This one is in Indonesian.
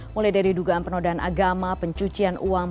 mulai dari dugaan penodaan agama pencucian uang